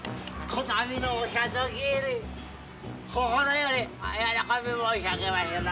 「こたびのお里帰り心よりお喜び申し上げまする」。